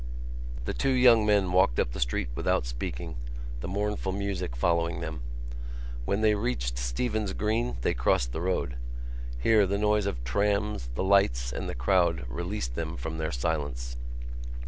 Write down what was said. The two young men walked up the street without speaking, the mournful music following them. When they reached Stephen's Green they crossed the road. Here the noise of trams, the lights and the crowd released them from their silence.